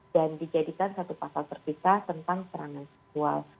dan dijadikan satu pasal terpisah tentang serangan seksual